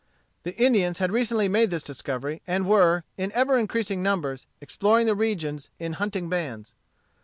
The Indians had recently made this discovery, and were, in ever increasing numbers, exploring the regions in hunting bands.